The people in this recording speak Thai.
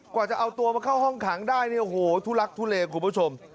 กว่าจะเอาตัวมาเข้าห้องขังได้โอ้โหทุลักษณ์ทุเลครับคุณผู้ชม